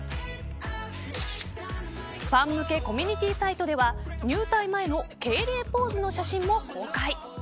ファン向けコミュニティーサイトでは入隊前の敬礼ポーズの写真も公開。